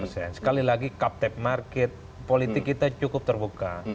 sekali lagi captive market politik kita cukup terbuka